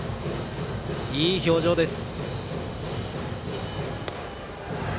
いい表情です。